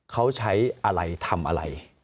เขาใช้อะไรทำอะไร